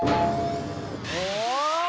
お！